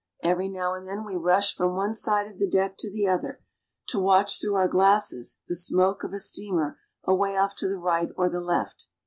Every now and then we rush from one side of the deck to the other, to watch through our glasses the smoke of a steamer away off to the right or the left.